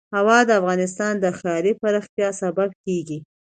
هوا د افغانستان د ښاري پراختیا سبب کېږي.